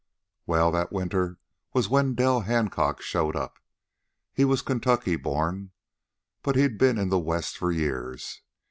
"Well, that winter was when Del Hancock showed up. He was Kentucky born, but he'd been in the West for years.